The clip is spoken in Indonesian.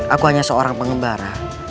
aku hanya seorang pengembara